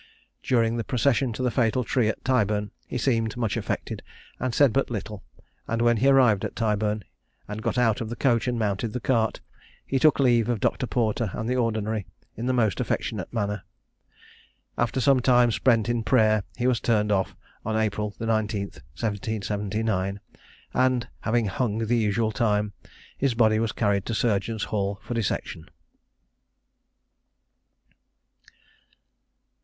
During the procession to the fatal tree at Tyburn he seemed much affected, and said but little; and when he arrived at Tyburn, and got out of the coach and mounted the cart, he took leave of Dr. Porter and the Ordinary in the most affectionate manner. After some time spent in prayer, he was turned off, on April the 19th 1779; and having hung the usual time, his body was carried to Surgeons Hall for dissection.